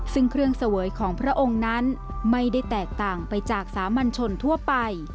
ซึ่งเครื่องเสวยของพระองค์นั้นไม่ได้แตกต่างไปจากสามัญชนทั่วไป